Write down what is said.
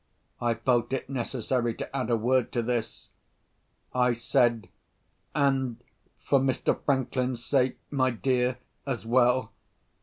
I felt it necessary to add a word to this. I said, "And for Mr. Franklin's sake, my dear, as well.